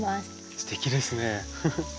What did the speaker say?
すてきですね。